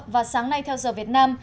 và sáng nay theo giờ việt nam